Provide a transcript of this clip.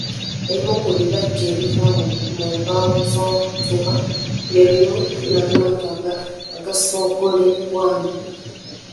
Ebimu ku bibajje ebiva mu mbaawo z'omutuba by'ebinu n'amaato agasogolebwamu.